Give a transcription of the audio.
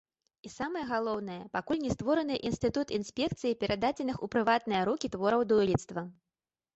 І самае галоўнае, пакуль не створаны інстытут інспекцыі перададзеных у прыватныя рукі твораў дойлідства.